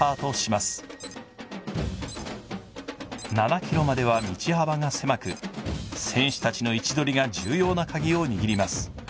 ７ｋｍまでは道幅が狭く、選手たちの位置取りが重要な鍵を握ります。